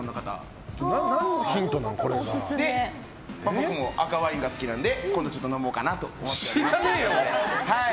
僕も赤ワインが好きなので今度飲もうかなと思います。